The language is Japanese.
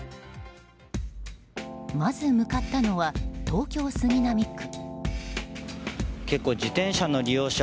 まず向かったのは東京・杉並区。